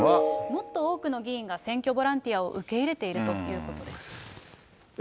もっと多くの議員が選挙ボランティアを受け入れているということです。